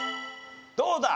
どうだ？